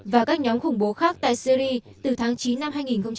và các nhóm khủng bố khác tại syri từ tháng chín năm hai nghìn một mươi hai